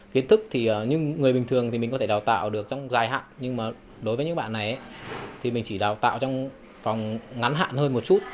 kiến thức thì những người bình thường thì mình có thể đào tạo được trong dài hạn nhưng mà đối với những bạn này thì mình chỉ đào tạo trong phòng ngắn hạn hơn một chút